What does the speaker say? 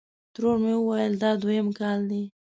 ترور مې ویل: دا دویم کال دی.